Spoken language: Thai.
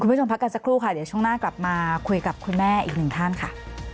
คุณผู้ชมพักกันสักครู่ค่ะเดี๋ยวช่วงหน้ากลับมาคุยกับคุณแม่อีกหนึ่งท่านค่ะ